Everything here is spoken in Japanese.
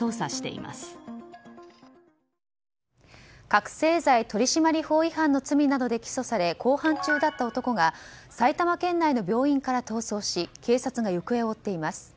覚醒剤取締法違反の罪などで起訴され公判中だった男が埼玉県内の病院から逃走し警察が行方を追っています。